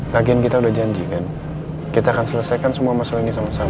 lagian kita udah janji kan kita akan selesaikan semua masalah ini sama sama